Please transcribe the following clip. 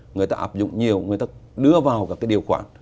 người ta ạp dụng nhiều người ta đưa vào các điều khoản